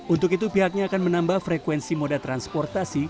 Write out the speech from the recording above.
untuk itu pihaknya akan menambah frekuensi moda transportasi